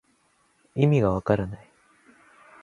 いみがわからない